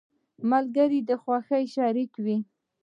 ملګري د خوښیو شريک وي.